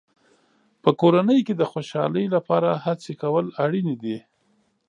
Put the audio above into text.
په کورنۍ کې د خوشحالۍ لپاره هڅې کول اړینې دي.